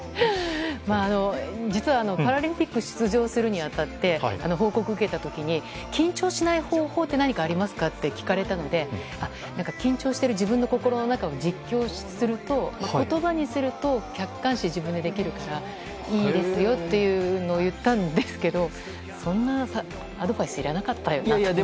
実は、パラリンピックに出場するに当たって報告受けた時に緊張しない方法って何かありますかって聞かれたので緊張している自分の心の中を実況する言葉にすると客観視自分でできるからいいですよっていうのを言ったんですけどそんなアドバイスいらなかったよなと思って。